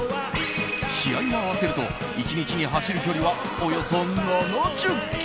試合も合わせると１日に走る距離はおよそ７０ｋｍ。